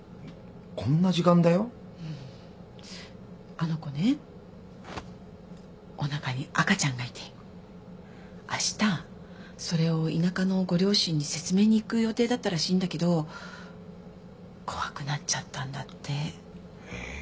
あの子ねおなかに赤ちゃんがいてあしたそれを田舎のご両親に説明に行く予定だったらしいんだけど怖くなっちゃったんだって。え？